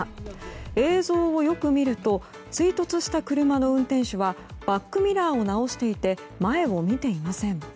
映像をよく見ると追突した車の運転手はバックミラーを直していて前を見ていません。